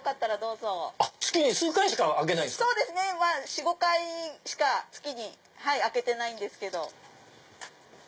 ４５回しか月に開けてないんですけど。